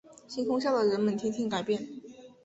星空下的人们天天改变